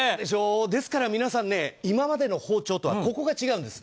ですから皆さん今までの包丁とはここが違うんです。